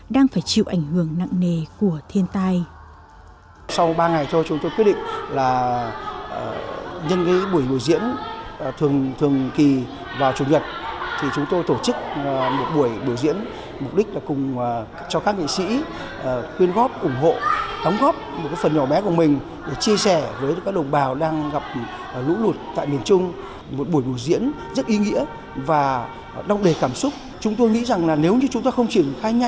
đang phải chịu ảnh hưởng nặng nề của thiên tai